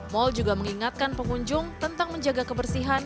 mal juga mengingatkan pengunjung tentang menjaga kebersihan